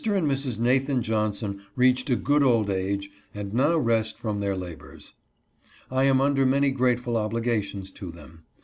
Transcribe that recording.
and Mrs. Nathan Johnson reached a good old age and now rest from their labors. I am under many grateful obligations to them.